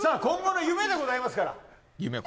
今後の夢でございますから夢